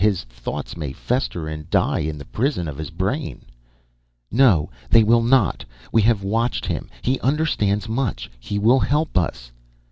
His thoughts may fester and die in the prison of his brain ..." "No, they will not! We have watched him. He understands much. He will help us!"